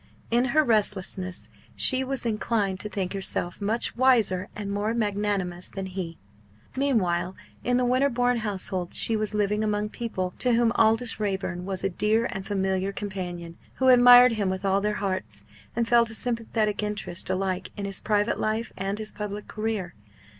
In her restlessness she was inclined to think herself much wiser and more magnanimous than he. Meanwhile in the Winterbourne household she was living among people to whom Aldous Raeburn was a dear and familiar companion, who admired him with all their hearts, and felt a sympathetic interest alike in his private life and his public career.